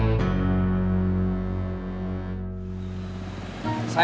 bisa ada kesalahan